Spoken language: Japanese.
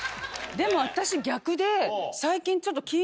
でも私逆で。